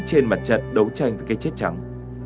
trên mặt trận đấu tranh với cây chết trắng